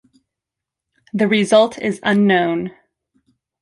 The result is unknown.